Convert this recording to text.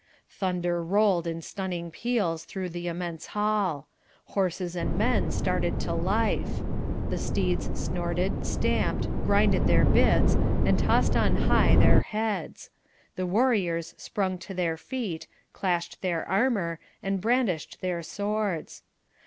Thunder rolled in stunning peals through the immense hall; horses and men started to life; the steeds snorted, stamped, grinded their bits, and tossed on high their heads; the warriors sprung to their feet, clashed their armour, and brandished their swords.